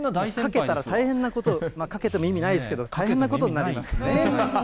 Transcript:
かけたら大変なこと、かけても意味ないですけれども、大変なことになりますね。